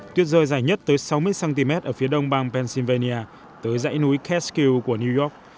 tuyết rơi dài nhất tới sáu mươi cm ở phía đông bang pennsylvania tới dãy núi kaskyu của new york